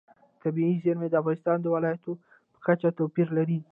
طبیعي زیرمې د افغانستان د ولایاتو په کچه توپیر لري.